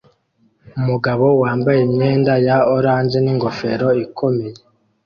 Umugabo wambaye imyenda ya orange ningofero ikomeye